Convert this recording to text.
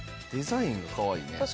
デザインがかわいいね。